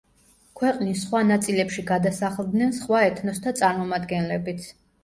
ქვეყნის სხვა ნაწილებში გადასახლდნენ სხვა ეთნოსთა წარმომადგენლებიც.